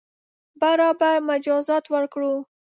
برابر مجازات ورکړو.